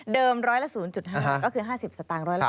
เดิม๑๐๐ละ๐๕ก็คือ๕๐สตางค์